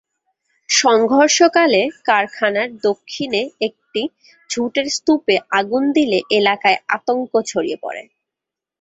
সংঘর্ষকালে কারখানার দক্ষিণে একটি ঝুটের স্তূপে আগুন দিলে এলাকায় আতঙ্ক ছড়িয়ে পড়ে।